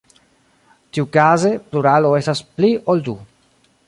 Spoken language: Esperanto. Tiukaze, pluralo estas "pli ol du".